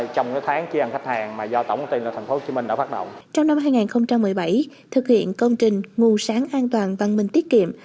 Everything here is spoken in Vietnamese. trong năm hai nghìn một mươi bảy thực hiện công trình nguồn sáng an toàn văn minh tiết kiệm